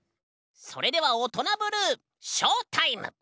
それでは「オトナブルー」ショータイム！